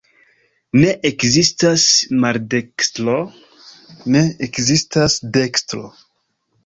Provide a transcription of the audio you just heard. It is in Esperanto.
Ne ekzistas maldekstro, ne ekzistas dekstro.